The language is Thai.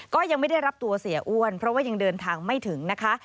ก็ยังไม่ได้รับตัวเสียอ้วนเพราะว่ายังเดินทางไม่ถึงนะคะ